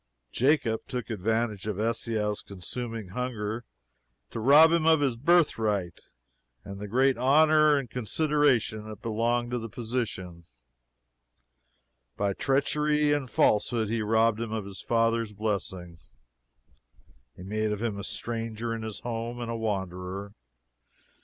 Jacob took advantage of Esau's consuming hunger to rob him of his birthright and the great honor and consideration that belonged to the position; by treachery and falsehood he robbed him of his father's blessing; he made of him a stranger in his home, and a wanderer.